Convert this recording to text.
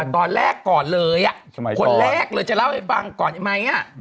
ตอนแรกก่อนเลยคนแรกเลยจะเล่าให้ฟังก่อนไหม